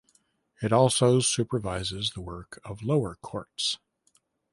It also supervises the work of lower courts.